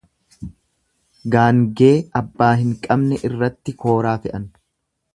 Gaangee abbaa hin qabne irratti kooraa fe'atan.